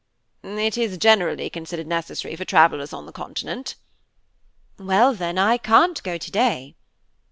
"It is generally considered necessary for travellers on the continent." "Well then, I can't go to day."